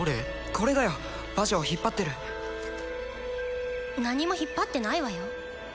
これだよ馬車を引っ張ってる何も引っ張ってないわよ